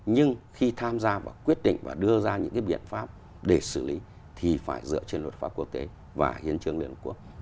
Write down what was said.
nhưng khi tham gia và quyết định và đưa ra những cái biện pháp để xử lý thì phải dựa trên luật pháp quốc tế và hiến chương liên hợp quốc